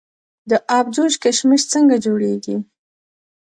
د ابجوش کشمش څنګه جوړیږي؟